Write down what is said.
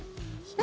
何？